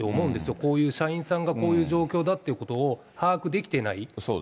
こういう、社員さんがこういう状況だっていうことを把握できていない。